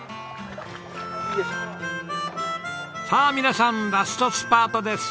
さあ皆さんラストスパートです！